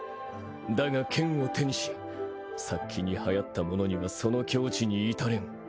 だが剣を手にし殺気にはやった者にはその境地に至れん。